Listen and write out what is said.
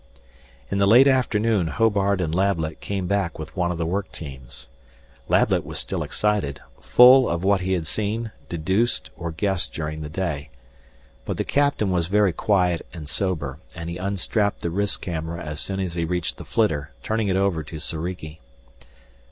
In the late afternoon Hobart and Lablet came back with one of the work teams. Lablet was still excited, full of what he had seen, deduced, or guessed during the day. But the captain was very quiet and sober, and he unstrapped the wrist camera as soon as he reached the flitter, turning it over to Soriki.